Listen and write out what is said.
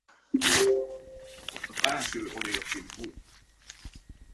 Mutta pääsyy oli jokin muu.